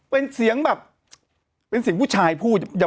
เป็นเสียงแบบเป็นเสียงผู้ชายพูด